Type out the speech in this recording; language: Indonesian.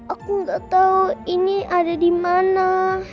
aku nggak tahu ini ada di mana